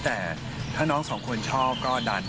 แต่ถ้าน้องสองคนชอบก็ดัน